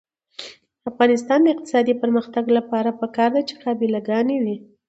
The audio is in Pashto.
د افغانستان د اقتصادي پرمختګ لپاره پکار ده چې قابله ګانې وي.